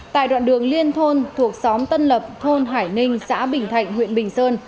tại đoạn đường liên thôn thuộc xóm tân lập thôn hải ninh xã bình thạnh huyện bình sơn